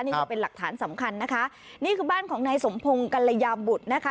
นี่ก็เป็นหลักฐานสำคัญนะคะนี่คือบ้านของนายสมพงศ์กัลยาบุตรนะคะ